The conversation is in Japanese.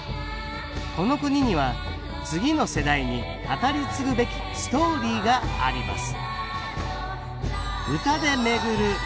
この国には次の世代に語り継ぐべきストーリーがあります